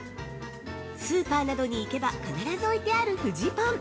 ◆スーパーなどに行けば必ず置いてあるフジパン。